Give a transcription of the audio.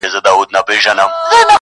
ستا له مالته رخصتېږمه بیا نه راځمه-